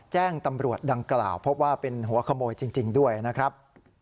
แจ้งตำรวจดังกล่าวพบว่าเป็นหัวขโมยจริงด้วยนะครับ